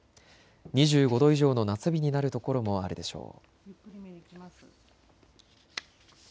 ２５度以上の夏日になるところもあるでしょう。